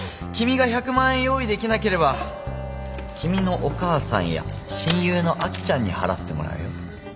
君が１００万円用意できなければ君のお母さんや親友の亜紀ちゃんに払ってもらうよ？